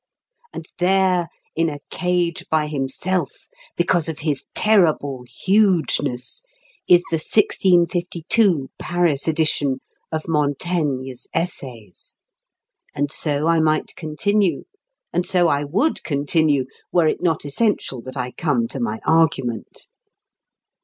And there, in a cage by himself, because of his terrible hugeness, is the 1652 Paris edition of Montaigne's Essays. And so I might continue, and so I would continue, were it not essential that I come to my argument.